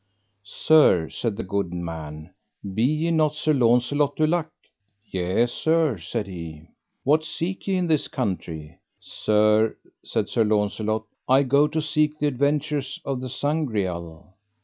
Sir, said the good man, be ye not Sir Launcelot du Lake? Yea, sir, said he. What seek ye in this country? Sir, said Sir Launcelot, I go to seek the adventures of the Sangreal.